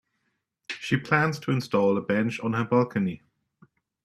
She plans to install a bench on her balcony.